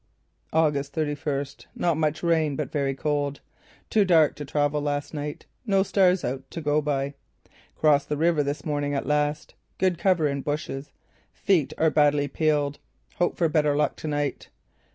"August thirty first: Not much rain but very cold. Too dark to travel last night. No stars out to go by. Crossed the river this morning, at last. Good cover in bushes. Feet are badly peeled. Hope for better luck to night.